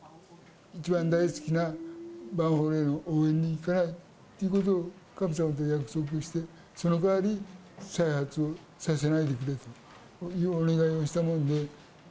一番大好きなヴァンフォーレの応援に行かないということを神様と約束して、その代わり再発させないでくれというお願いをしたもので。